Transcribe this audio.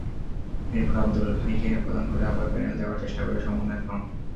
এরপর আবদুল হাইকে প্রধান করে আবার প্যানেল দেওয়ার চেষ্টা করে সমন্বয় ফ্রন্ট।